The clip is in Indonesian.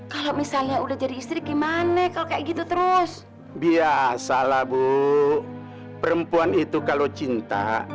kalau misalnya udah jadi istri gimana kalau kayak gitu terus biasa lah bu perempuan itu kalau cinta